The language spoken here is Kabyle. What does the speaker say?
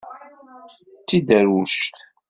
D tidderwect!